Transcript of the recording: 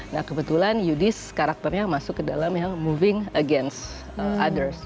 nah kebetulan yudis karakternya masuk ke dalam yang moving against others